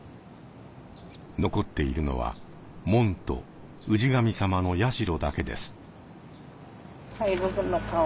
残っているのは門と氏神様の社だけです。